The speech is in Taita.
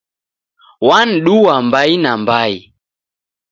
W'anduwa mbai na mbai